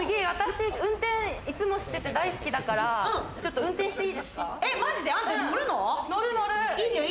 私、運転いつもしてて大好きだから、運転していいですか？